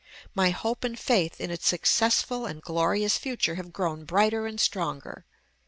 My hope and faith in its successful and glorious future have grown brighter and stronger.